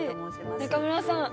中村さん。